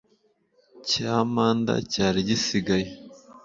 cya manda cyari gisigaye